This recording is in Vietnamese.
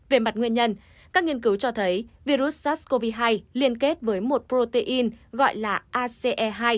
về mặt nguyên nhân các nghiên cứu cho thấy virus sars cov hai liên kết với một protein gọi là ace hai